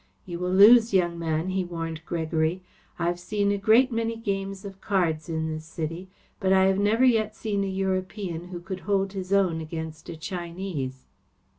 "You will lose, young man," he warned Gregory. "I've seen a great many games of cards in this city, but I have never yet seen a European who could hold his own against a Chinese."